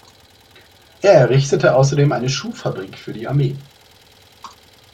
Er errichtete außerdem eine Schuhfabrik für die Armee.